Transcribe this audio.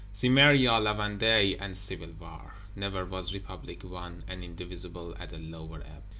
Cimmeria, La Vendée, and Civil War! Never was Republic One and Indivisible at a lower ebb.